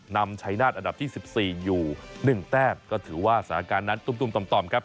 นำชัยนาศอันดับที่๑๔อยู่๑แต้มก็ถือว่าสถานการณ์นั้นตุ้มต่อมครับ